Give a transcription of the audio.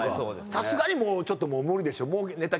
さすがにもうちょっと無理でしょ？